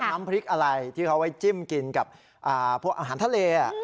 น้ำพริกอะไรที่เขาไว้จิ้มกินกับพวกอาหารทะเล